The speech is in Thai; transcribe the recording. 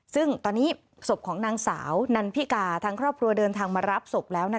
ซึ่งตอนนี้ศพของนางสาวนันพิกาทางครอบครัวเดินทางมารับศพแล้ว